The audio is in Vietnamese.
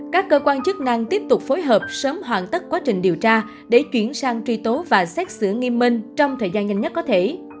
các cơ quan chức năng tiếp tục phối hợp sớm hoàn tất quá trình điều tra để chuyển sang truy tố và xét xử nghiêm minh trong thời gian nhanh nhất có thể